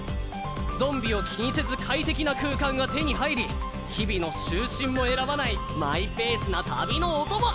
ゾンビを気にせず快適な空間が手に入り日々の就寝も選ばないマイペースな旅のお供！